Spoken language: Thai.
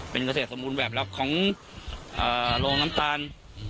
เป็นเกษตรสมบูรณ์แบบหลักของโรงน้ำตาล